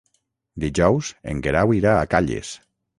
Dijous en Guerau irà a Calles.